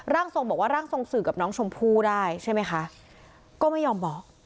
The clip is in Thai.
ทรงบอกว่าร่างทรงสื่อกับน้องชมพู่ได้ใช่ไหมคะก็ไม่ยอมบอก